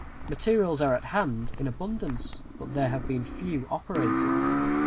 Materials are at hand in abundance, but there have been few operators.